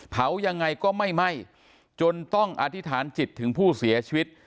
ยังไงก็ไม่ไหม้จนต้องอธิษฐานจิตถึงผู้เสียชีวิต